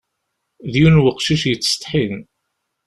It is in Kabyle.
D yiwen n uqcic yettsetḥin.